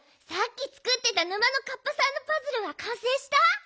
さっきつくってた沼のカッパさんのパズルはかんせいした？